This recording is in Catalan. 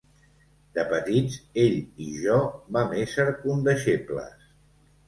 De petits, ell i jo vam ésser condeixebles.